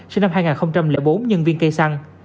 sinh năm hai nghìn bốn nhân viên cây xăng